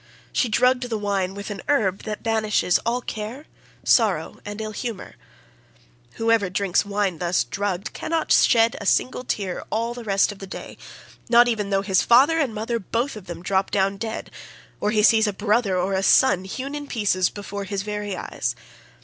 She drugged the wine with an herb that banishes all care, sorrow, and ill humour. Whoever drinks wine thus drugged cannot shed a single tear all the rest of the day, not even though his father and mother both of them drop down dead, or he sees a brother or a son hewn in pieces before his very eyes.